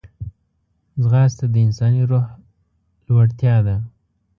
ځغاسته د انساني روح لوړتیا ده